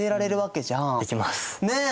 できます！ね。